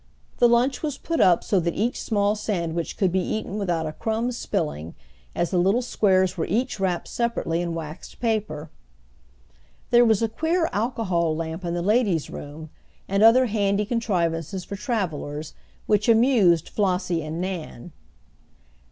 The lunch was put up so that each small sandwich could be eaten without a crumb spilling, as the little squares were each wrapped separately in waxed paper. There was a queer alcohol lamp in the ladies room, and other handy contrivances for travelers, which amused Flossie and Nan.